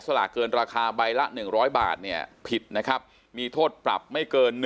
สลากเกินราคาใบละ๑๐๐บาทเนี่ยผิดนะครับมีโทษปรับไม่เกิน